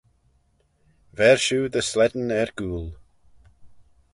Ver shiu dy slane er gooyl.